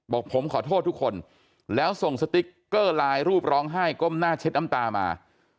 บอกผมขอโทษทุกคนแล้วส่งสติ๊กเกอร์ไลน์รูปร้องไห้ก้มหน้าเช็ดน้ำตามา